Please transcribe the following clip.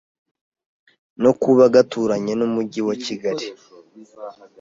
no kuba gaturanye n’Umujyi wa Kigali,